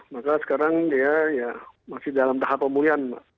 maka sekarang dia masih dalam tahap pemulihan